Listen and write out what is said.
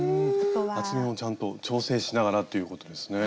厚みもちゃんと調整しながらということですね。